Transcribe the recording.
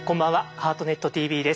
「ハートネットＴＶ」です。